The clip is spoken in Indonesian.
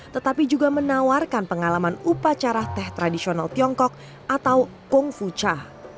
tetapi juga menawarkan pengalaman upacara teh tradisional tiongkok atau kung fu cha